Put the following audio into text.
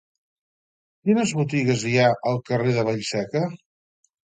Quines botigues hi ha al carrer de Vallseca?